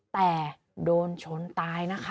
แต่โดนชนตายนะคะ